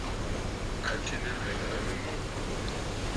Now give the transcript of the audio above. Àtì nɨlwèn a bə aa mû.